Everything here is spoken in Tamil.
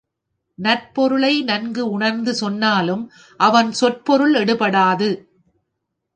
நற்பொருளை நன்கு உணர்ந்து சொன்னாலும் அவன் சொற்பொருள் எடுபடாது.